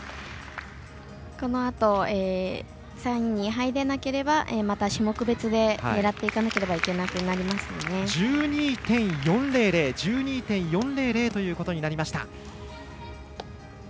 このあと３位に入れなければまた種目別で狙っていかなければならなくなりますね。１２．４００ということになりました。